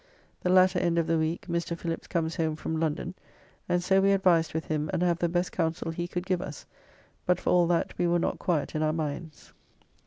The latter end of the week Mr. Philips comes home from London, and so we advised with him and have the best counsel he could give us, but for all that we were not quiet in our minds.